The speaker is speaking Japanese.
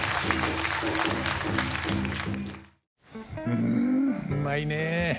うんうまいね。